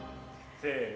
せの。